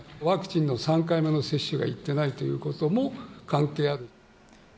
ワクチンの３回目の接種がいってないということも関係ある。